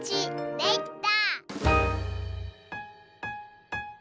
できた！